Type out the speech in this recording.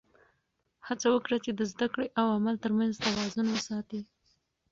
هڅه وکړه چې د زده کړې او عمل تر منځ توازن وساته.